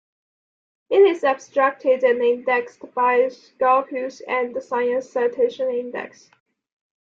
It is abstracted and indexed by Scopus and the Science Citation Index.